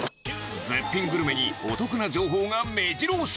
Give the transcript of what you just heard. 絶品グルメにお得な情報がめじろ押し。